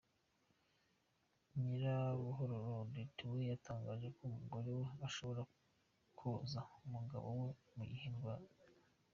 Nyirabuhororo Odette we yatangaje ko umugore ashobora koza umugabo we mu gihe arwaye.